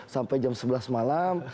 sampai jam sebelas malam